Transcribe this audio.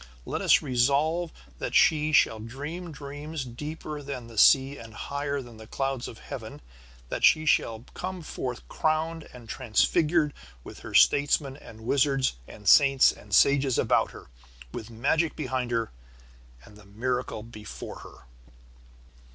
Let us resolve that she shall dream dreams deeper than the sea and higher than the clouds of heaven, that she shall come forth crowned and transfigured with her statesmen and wizards and saints and sages about her, with magic behind her and miracle before her.